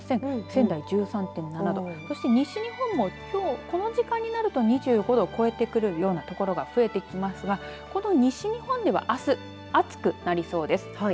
仙台１３．７度、そして西日本もきょう、この時間になると２５度を超えてくるような所が増えてきますがこの西日本では、あす暑くなりそうです。